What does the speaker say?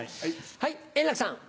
はい円楽さん。